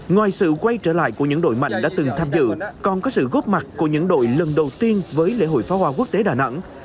ngoài sự quay trở lại của những đội mạnh đã từng tham dự còn có sự góp mặt của những đội lần đầu tiên với lễ hội pháo hoa quốc tế đà nẵng